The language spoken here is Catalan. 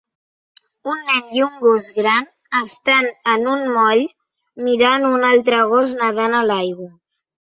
Un nen i un gos gran estan en un moll mirant un altre gos nedant a l"aigua.